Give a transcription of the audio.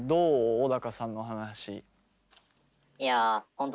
小高さんの話。